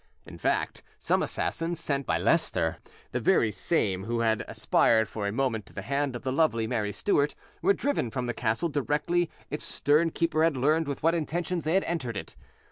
In fact, some assassins, sent by Leicester, the very same who had aspired for a moment to the hand of the lovely Mary Stuart, were driven from the castle directly its stern keeper had learned with what intentions they had entered it.